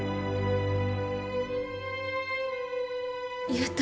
優太